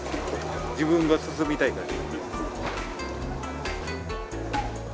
自分が進みたいから。